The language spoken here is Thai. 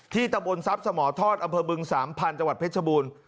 ที่ตะบนทรัพย์สมทรอำเภอบึง๓ผ่านจังหวัดเพชรบูรณ์